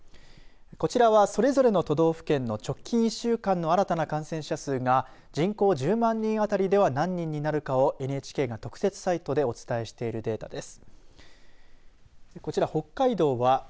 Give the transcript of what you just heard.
こちらはそれぞれの都道府県の直近１週間の新たな感染者数が人口１０万人当たりでは何人になるかをＮＨＫが特設サイトでお伝えしているデータです。